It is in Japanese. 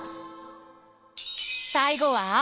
最後は？